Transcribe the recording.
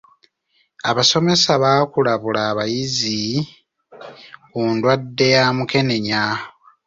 Abasomesa baakulabula abayizi ku ndwadde ya mukeenenya .